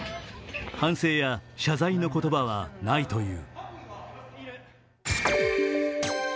反省や謝罪の言葉はないという。